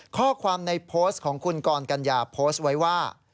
ข้อความในโพสต์ของคุณกรกัญญาโพสต์ไว้ว่า